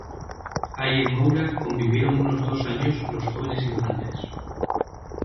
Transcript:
Ahí en Moura convivieron unos dos años los jóvenes infantes.